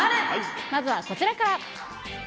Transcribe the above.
まずはこちらから。